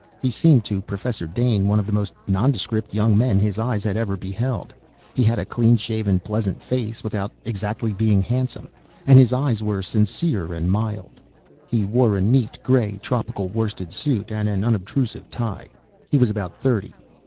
He seemed to Professor Dane one of the most nondescript young men his eyes had ever beheld. He had a clean shaven, pleasant face without exactly being handsome and his eyes were sincere and mild. He wore a neat gray tropical worsted suit and an unobtrusive tie. He was about thirty.